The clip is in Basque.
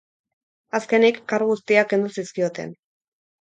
Azkenik kargu guztiak kendu zizkioten.